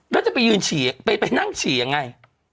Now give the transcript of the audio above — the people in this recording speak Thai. แล้วจะไปยืนฉี่ไปนั่งฉี่ยังไง